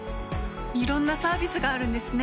いろんなサービスがあるんですね。